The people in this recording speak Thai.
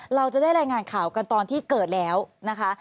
เราจะได้รายงานข่าวกันตอนที่เกิดแล้วนะคะ